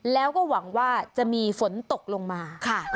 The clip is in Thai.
แล้วก็หวังว่าจะมีฝนตกลงมาค่ะ